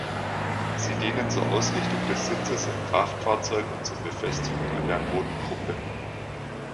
Sie dienen zur Ausrichtung des Sitzes im Kraftfahrzeug und zur Befestigung an der Bodengruppe.